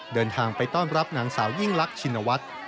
เดินทางไปต้อนรับนางสาวยิ่งลักชินวัฒน์